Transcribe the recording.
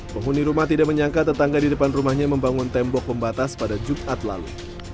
penghuni rumah tidak menyangka tetangga di depan rumahnya membangun tembok pembatas pada jumat lalu